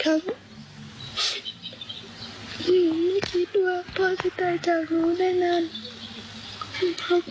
หนูสิโรคว้ายู่อย่างดีพ่อ